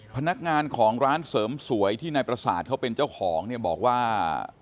พนักงานของร้านเสริมสวยที่นายประสาทเขาเป็นเจ้าของเนี่ยบอกว่า